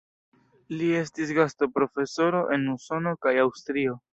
Li estis gastoprofesoro en Usono kaj Aŭstrio.